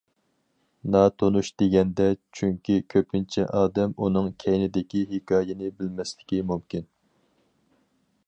ناتونۇش دېگەندە، چۈنكى كۆپىنچە ئادەم ئۇنىڭ كەينىدىكى ھېكايىنى بىلمەسلىكى مۇمكىن.